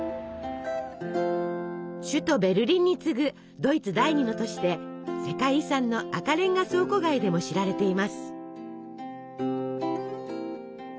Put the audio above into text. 首都ベルリンに次ぐドイツ第二の都市で世界遺産の赤レンガ倉庫街でも知られています。